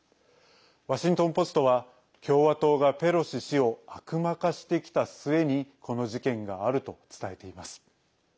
ワシントン・ポストは共和党がペロシ氏を悪魔化してきた末にこの事件があると伝えています。